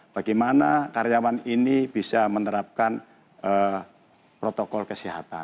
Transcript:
bagaimana karyawan ini bisa menerapkan protokol kesehatan